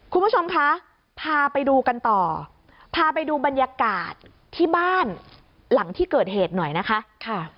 คุณผู้ชมคะพาไปดูกันต่อพาไปดูบรรยากาศที่บ้านหลังที่เกิดเหตุหน่อยนะคะ